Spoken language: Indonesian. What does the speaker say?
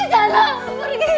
tidak tidak akan merosoturkan